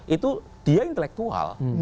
itu dia intelektual